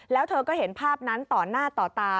แล้วเธอก็เห็นภาพนั้นต่อหน้าต่อตา